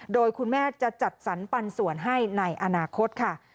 โดยคุณแม่จะจัดสรรปันส่วนให้ในอนาคตค่ะ